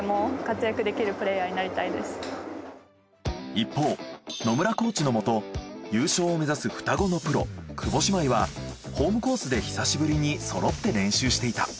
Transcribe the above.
一方野村コーチのもと優勝を目指す双子のプロ久保姉妹はホームコースで久しぶりにそろって練習していた。